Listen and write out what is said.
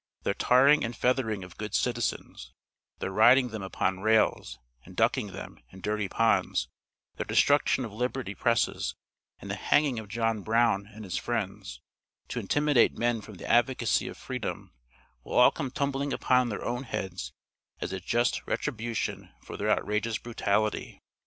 Their tarring and feathering of good citizens; their riding them upon rails, and ducking them, in dirty ponds; their destruction of liberty presses, and the hanging of John Brown and his friends, to intimidate men from the advocacy of freedom, will all come tumbling upon their own heads as a just retribution for their outrageous brutality.